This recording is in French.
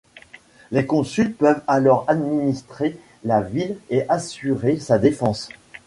Les consuls peuvent alors administrer la ville et assurer sa défense.